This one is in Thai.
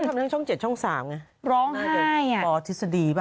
เขาทำทั้งช่อง๗ช่อง๓ไงร้องไห้น่าจะป่อทฤษฎีป่ะ